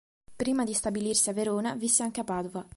Prima di stabilirsi a Verona visse anche a Padova.